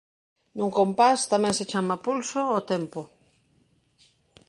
Nun compás tamén se chama pulso ao tempo.